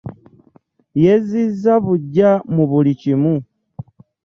Yezziza bugya mu buli kimu.